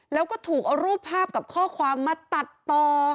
แล้วก็ถูกเอารูปภาพกับข้อความมาตัดต่อ